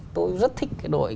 tôi rất thích cái đội